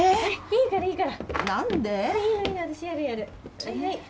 いいからいいから。